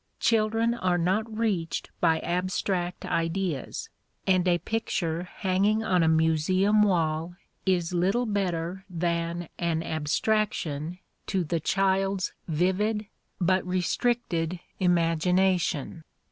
Children are not reached by abstract ideas, and a picture hanging on a museum wall is little better than an abstraction to the child's vivid but restricted imagination.